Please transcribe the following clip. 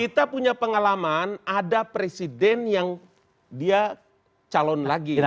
kita punya pengalaman ada presiden yang dia calon lagi